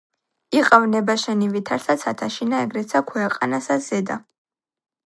იყავნ ნება შენი ვითარცა ცათა შინა, ეგრეცა ქუეყანასა ზედა